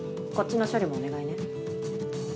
こっちの処理もお願いね。